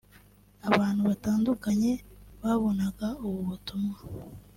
Abantu batandukanye babonaga ubu butumwa